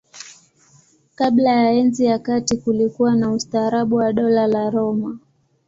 Kabla ya Enzi ya Kati kulikuwa na ustaarabu wa Dola la Roma.